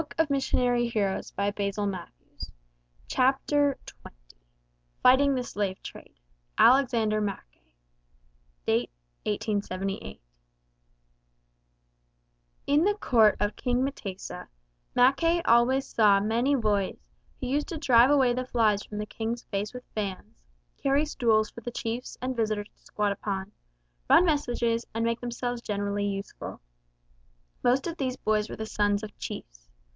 ] [Footnote 54: The people of Uganda.] CHAPTER XX FIGHTING THE SLAVE TRADE Alexander Mackay (Date, 1878) In the court of King M'tesa, Mackay always saw many boys who used to drive away the flies from the King's face with fans, carry stools for the chiefs and visitors to squat upon, run messages and make themselves generally useful. Most of these boys were the sons of chiefs.